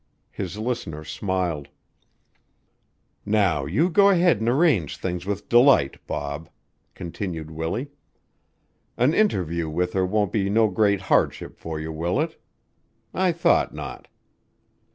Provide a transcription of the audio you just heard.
His listener smiled. "Now you go ahead an' arrange things with Delight, Bob," continued Willie. "An interview with her won't be no great hardship for you, will it? I thought not.